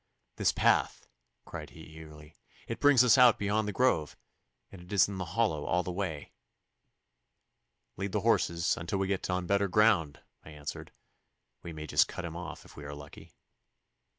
'This path,' cried he eagerly. 'It brings us out beyond the grove, and is in the hollow all the way.' 'Lead the horses until we get on better ground,' I answered. 'We may just cut him off if we are lucky.